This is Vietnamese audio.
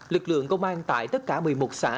lực lượng công an tại tất cả một mươi một xã